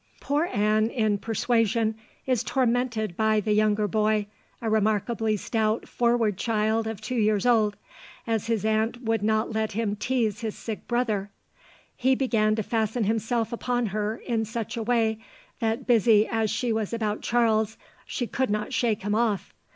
Poor Anne in Persuasion is tormented by "the younger boy, a remarkably stout forward child of two years old, ... as his aunt would not let him tease his sick brother, [he] began to fasten himself upon her, in such a way, that busy as she was about Charles, she could not shake him off.